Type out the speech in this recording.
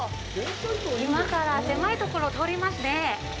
今から狭いところを通りますね。